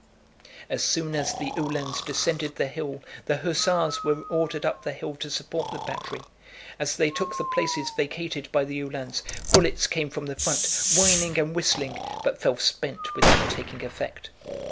As soon as the Uhlans descended the hill, the hussars were ordered up the hill to support the battery. As they took the places vacated by the Uhlans, bullets came from the front, whining and whistling, but fell spent without taking effect.